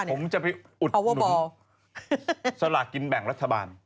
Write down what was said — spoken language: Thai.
ผมจะไปอุดสลากกินแบ่งรัฐบาล